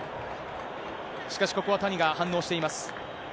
しかし、ここは谷が反応しています。